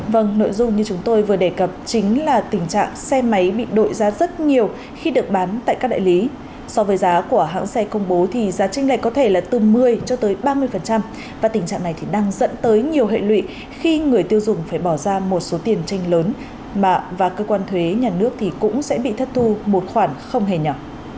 vâng nội dung như chúng tôi vừa đề cập chính là tình trạng xe máy bị đội giá rất nhiều khi được bán tại các đại lý so với giá của hãng xe công bố thì giá trinh lệch có thể là từ một mươi cho tới ba mươi và tình trạng này thì đang dẫn tới nhiều hệ lụy khi người tiêu dùng phải bỏ ra một số tiền tranh lớn bạ và cơ quan thuế nhà nước thì cũng sẽ bị thất thu một khoản không hề nhỏ